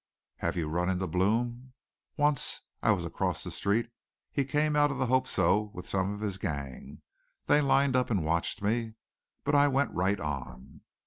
"Have you run into Blome?" "Once. I was across the street. He came out of the Hope So with some of his gang. They lined up and watched me. But I went right on."